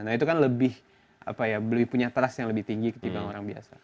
nah itu kan lebih punya trust yang lebih tinggi ketimbang orang biasa